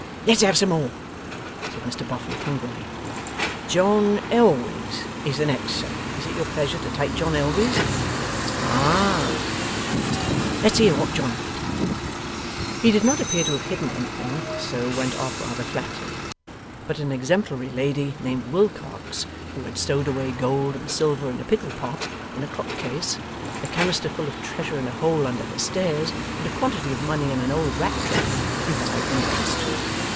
'Let's have some more,' said Mr Boffin, hungrily. 'John Elwes is the next, sir. Is it your pleasure to take John Elwes?' 'Ah!' said Mr Boffin. 'Let's hear what John did.' He did not appear to have hidden anything, so went off rather flatly. But an exemplary lady named Wilcocks, who had stowed away gold and silver in a pickle pot in a clock case, a canister full of treasure in a hole under her stairs, and a quantity of money in an old rat trap, revived the interest.